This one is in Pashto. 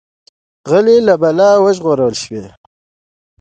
غلی، له بلا ژغورل شوی.